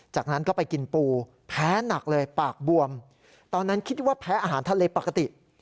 จากนั้นก็ไปกินปูแพ้หนักเลยปากบวมตอนนั้นคิดว่าแพ้อาหารทะเลปกติ